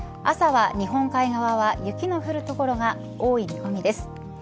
朝は日本海側は雪の降る所が多い見込みです。